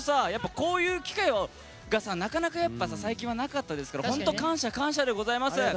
こういう機会がなかなか最近はなかったですから本当感謝、感謝でございます。